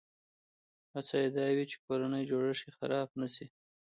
هڅه یې دا وي چې کورنی جوړښت یې خراب نه شي.